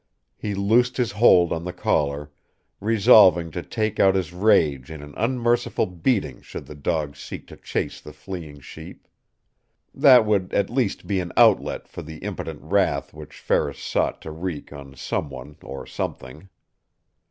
He loosed his hold on the collar, resolving to take out his rage in an unmerciful beating should the dog seek to chase the fleeing sheep. That would be at least an outlet for the impotent wrath which Ferris sought to wreak on someone or something.